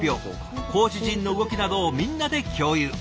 コーチ陣の動きなどをみんなで共有。